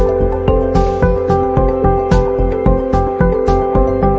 จริงจริงจริงจริงจริงจริงจริงพี่แจ๊คเฮ้ยสวยนะเนี่ยเป็นเล่นไป